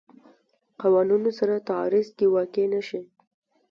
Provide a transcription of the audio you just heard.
قوانونو سره تعارض کې واقع نه شي.